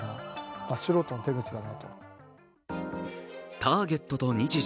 ターゲットと日時